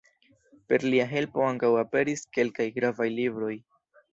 Per lia helpo ankaŭ aperis kelkaj gravaj libroj.